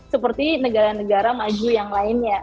seperti negara negara maju yang lainnya